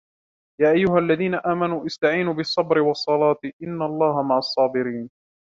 يَا أَيُّهَا الَّذِينَ آمَنُوا اسْتَعِينُوا بِالصَّبْرِ وَالصَّلَاةِ إِنَّ اللَّهَ مَعَ الصَّابِرِينَ